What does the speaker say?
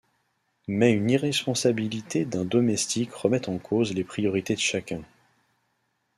Mais une irresponsabilité d'un domestique remet en cause les priorités de chacun...